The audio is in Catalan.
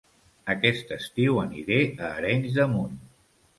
Aquest estiu aniré a Arenys de Munt